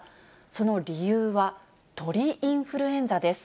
その理由は、鳥インフルエンザです。